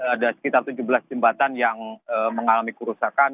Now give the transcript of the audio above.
ada sekitar tujuh belas jembatan yang mengalami kerusakan